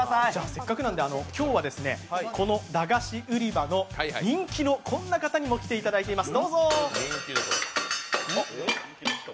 せっかくなんで、今日はこの駄菓子売り場の人気のこんな方にも来ていただいてます。